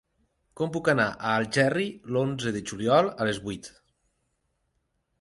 Com puc anar a Algerri l'onze de juliol a les vuit?